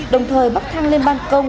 đồng thời bắt thang lên ban công